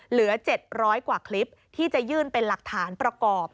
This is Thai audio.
เหลือ๗๐๐กว่าคลิปที่จะยื่นเป็นหลักฐานประกอบ